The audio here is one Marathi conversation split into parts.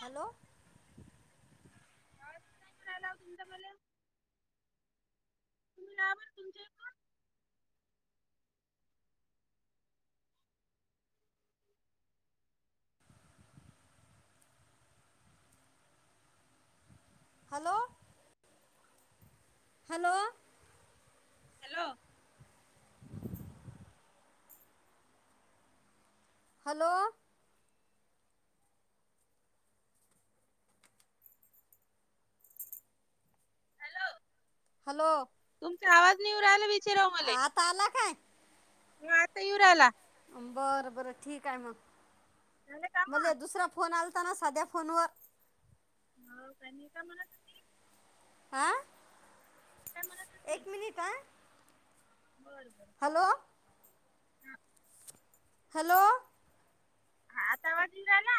हॅलो. [inaudible] का असं नाही म्हणालावं तुमच्याकडं तुम्ही या बर तुमच्या इकडून. Hello. Hello. [inaudible] Hello. Hello. Hello. [inaudible] काय आवाज नाही येऊ रायला बाई. आता आला काय? ह आता येऊ राइला. बर बरं ठीक आहे मग झालं काम मला दुसरा फोन आल साध्या फोनवर हो त्यांनी का म्हणात होती? आं. काय म्हणत होती एक मिनिट ह. बर बर [inaudible] ह. हॅलो. ह आता आवाज येऊ राहिला?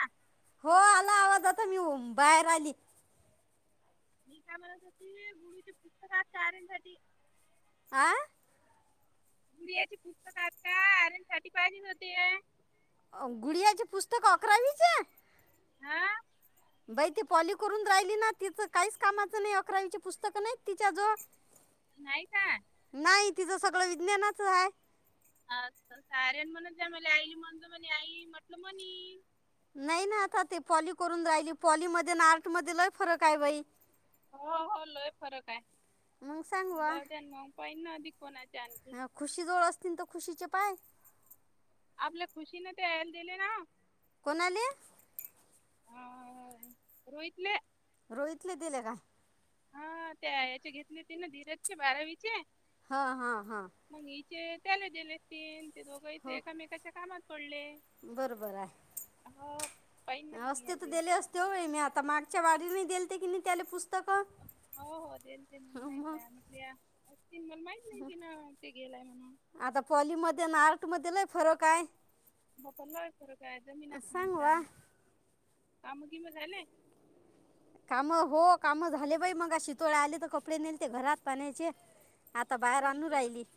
हो आला आवाज आता मी बाहेर आली. मी का म्हनत होती गुढीची पुस्तक हाईत का आर्यन नसाठी आह गुढियाची पुस्तक आहेत का? आर्यन साठी पाहिजेल होते. गुडयाची पुस्तक अकरावीची हा. बाई ती पॉली करून राहिली ना तिचं काहीच कामाचं नाही अकरावीची पुस्तक नाही तिच्या जो नाही का. तिचं सगळं विज्ञानाच हाय. अ साऱ्या म्हण त्या मला आईली म्हणत म्हणे आई म्हटल म्हणे. नाही ना आता ते पॉली करून राहिली पॉली मध्ये अन आर्ट मध्ये लई फरक आहे बाई. हो हो लय फरक मग सांग आहे दर्जन मग पहि ना अधिक कोणाची. हा खुशी जवळ असतील तर खुशीचे पाय. आपल्या खुशीने ते यायला दिले ना कोणाले? ह रोहितले. रोहीतले दिले काय? हा त्याचे घेतले होते ना धीरजचे बारावीचे. हा, हा, हा. ते त्याला दिले तीन ते दोघं इथे हो एकामेकाच्या कामात पडले बरोबर आहे. हो पाहिन ना मग असते तर याले दिले असते हो मी आता मागच्या वारीला दिलते की नाही त्याला पुस्त हो हो दिलते न म माहित मग आहे म्हटल मला माहित नाही तिन ते गेलाय म्हणून आता पॉली मध्ये अन आर्ट मध्ये लय फरक हाय. म पलक फरक हाय जमीन सांग आसमानचा. वा काम किम झाले? [inaudible] काम हो काम झाले बाई मगाशी शितोळा आले तर कपडे नेलते घरात पाण्याचे आता बाहेर हो आणू विचार राहिली. [inaudible]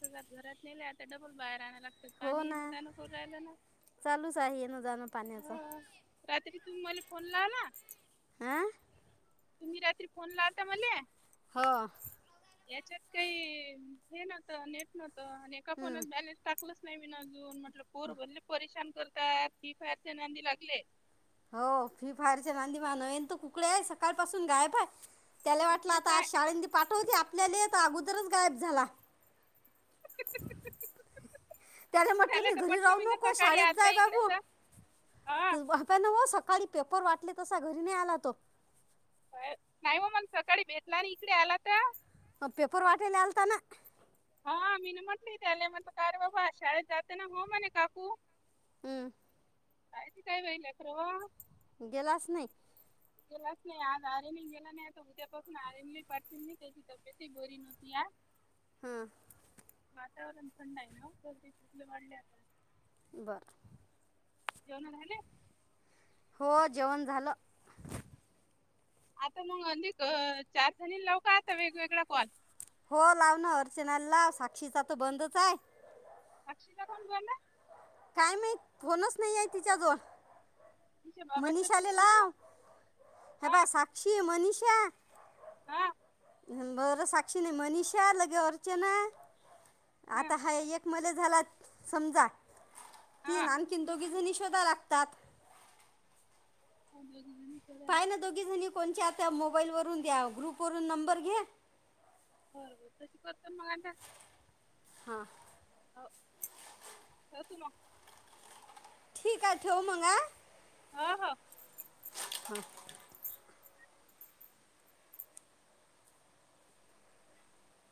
सगळं घरात नेले आता डबल बाहेर आणा यला लागतात पाणी ये ना, जा ना करून राहिलं ना. चालूच आहे येणं जाणं [inaudible] ह पाण्याचं रात्री तुमी मला फोन लावला. आ तुम्ही रात्री फोन लावता मले. हो. याच्यात काही हे नव्हत नेट नव्हतं. आणि एका हं. फोनत बॅलेनस टाक केलच नाही मी अजून. म्हटल पोर भनले परेशान करतात. फ्री फायरच्या नांदी लागले. हो फ्री फायरच्या नांदी मा नयन तू कुकडे आहे. सकाळ पासून गायब आहे. त्याला वाटलं इकडे आता काय आज शाळनी पाठवते आपल्याले. अगोदरच गायब झाला. त्याला म्हटलं मी तर घरी म्हटलं राहू मी ना नको सकाळी शाळेत जाय आलता इकडे बाबू. तर हा बाप्यान हो सकाळी पेपर वाटले तसा, घरी नाही आला तो. नाही हो मला सकाळी भेटला न इकडे आला तर. पेपर वाटायला आलताना. हा मी न म्हटली तेले म्हटल का रे बाबा शाळेत जाते ना. हो म्हणे काकू. हम्म कायती काय बाई लेकर व गेलाच नाही. गेलास नाही आज आर्यनही गेला नाही. आता उद्या पाासून आर्यनलाही पाठवीन. त्याची तबीेतही बरी नव्हती आज. हां वातावरण थंड आहे ना गर्दी चांगली वाढले आता. बर जेवण झाले. हो जेवन झाल. आता मग अधिक चार जणी लाव का आता वेगवेगळा कॉल. हो लाव ना. अर्चनाला लाव. साक्षीचा त बंदच आहे. साक्षीचा काऊन बंद आहे. काय माहित फोनच नाही आहे तिच्याजवळ. तिच्या बाबाचं तब्येत मनिषाले जमलो लाव. हे हा पहा साक्षी, मनीषा. हा बर साक्षी नाही. मनीषा लगे अर्चना, आता हा एक मले झालात समजा हा तीन. आणखी दोघी जणी शोधा लागतात. [unintelligible] पाय लागतात. ना दोघी जणी. कोणच्या आता मोबाईल वरून द्या ग्रुप वरून नंबर घे. बरोबर तशी करतो मग हां हो ठेव तुला ठीक आहे ठेव मग. अ अ ह हा